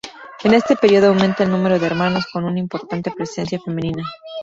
En este periodo aumenta el número de hermanos, con una importante presencia femenina.